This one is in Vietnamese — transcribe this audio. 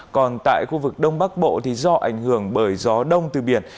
còn tại khu vực đông bắc bộ thì do ảnh hưởng bởi gió đông từ biển